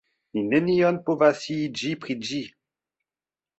Ni nenion povas sciiĝi pri ĝi.